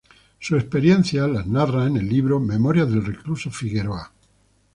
Sus experiencias las narra en el libro "Memorias del recluso Figueroa".